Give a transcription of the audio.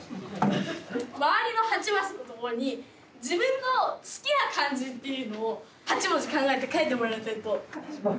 周りの８マスのとこに自分の好きな漢字っていうのを８文字考えて書いてもらいたいと。